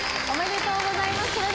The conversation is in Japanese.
おめでとうございます